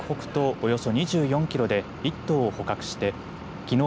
およそ２４キロで１頭を捕獲してきのう